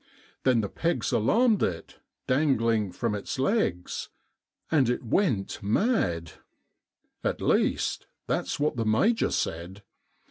Then the pegs alarmed it, dangling from its legs — and it went mad. At least, that's what the Major said.